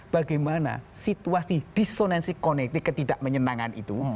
bagaimana situasi disonansi konektif ketidakmenyenangan itu